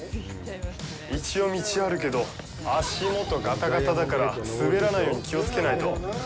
一応、道はあるけど、足元、ガタガタだから、滑らないように気をつけないと。